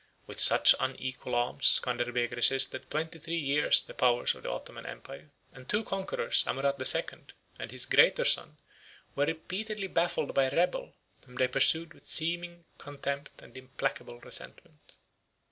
With such unequal arms Scanderbeg resisted twenty three years the powers of the Ottoman empire; and two conquerors, Amurath the Second, and his greater son, were repeatedly baffled by a rebel, whom they pursued with seeming contempt and implacable resentment.